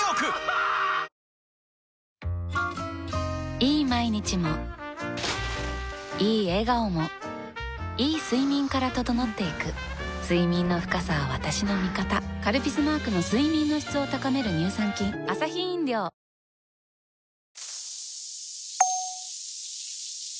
いい毎日もいい笑顔もいい睡眠から整っていく睡眠の深さは私の味方「カルピス」マークの睡眠の質を高める乳酸菌本物のステータスとは何でしょう？